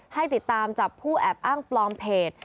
ให้ติดตามจับผู้แอบอ้างปลอมเพจ